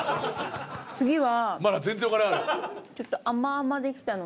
次は。